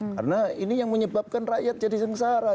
karena ini yang menyebabkan rakyat jadi sengsara